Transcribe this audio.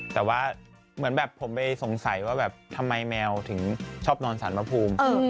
แต่ว่าเหมือนแบบผมไปสงสัยว่าแบบทำไมแมวถึงชอบนอนสารพระภูมิ